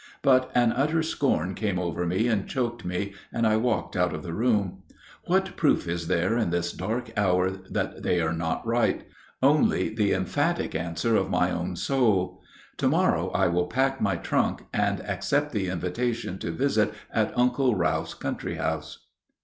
But an utter scorn came over me and choked me, and I walked out of the room. What proof is there in this dark hour that they are not right? Only the emphatic answer of my own soul. To morrow I will pack my trunk and accept the invitation to visit at Uncle Ralph's country house.